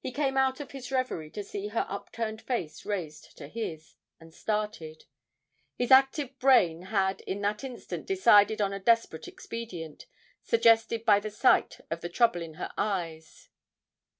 He came out of his reverie to see her upturned face raised to his and started; his active brain had in that instant decided on a desperate expedient, suggested by the sight of the trouble in her eyes.